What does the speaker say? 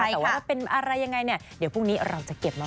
แต่ว่าถ้าเป็นอะไรยังไงเนี่ยเดี๋ยวพรุ่งนี้เราจะเก็บมา